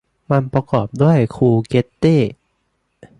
มันประกอบด้วยคูเกตเต้